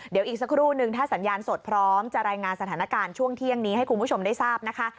เดี๋ยวอีกสักครู่นึงถ้าสัญญาณสดพร้อมจะรายงานสถานการณ์ช่วงเที่ยงนี้ให้คุณผู้ชมได้ทราบนะคะ